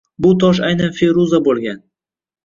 Bu tosh aynan feruza bo‘lgan.